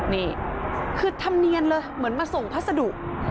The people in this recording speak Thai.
นี่คือธรรมเนียนเลยเหมือนมาส่งพัสดุ